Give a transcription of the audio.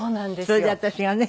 それで私がね。